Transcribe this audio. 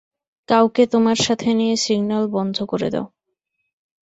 কাউকে তোমার সাথে নিয়ে সিগন্যাল বন্ধ করে দাও।